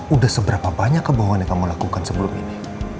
udah seberapa banyak kebohongan yang kamu lakukan sebelum ini